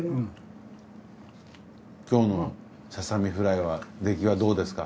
今日のササミフライは出来はどうですか？